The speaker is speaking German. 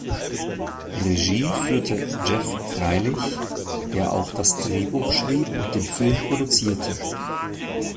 Regie führte Jeff Freilich, der auch das Drehbuch schrieb und den Film produzierte.